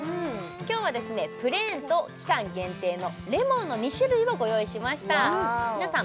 今日はプレーンと期間限定のれもんの２種類をご用意しました皆さん